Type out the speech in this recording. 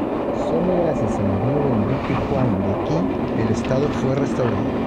Sólo gracias a la ayuda del Duque Huan de Qi el estado fue restaurado.